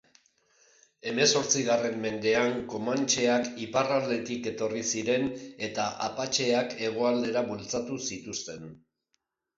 Hemezortzigarren mendean Komantxeak iparraldetik etorri ziren eta Apatxeak hegoaldera bultzatu zituzten.